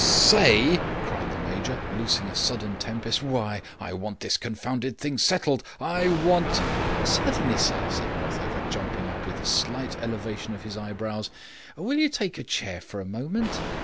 "Say!" cried the Major, loosing a sudden tempest; "why, I want this confounded thing settled. I want " "Certainly, sir," said Northover, jumping up with a slight elevation of the eyebrows. "Will you take a chair for a moment."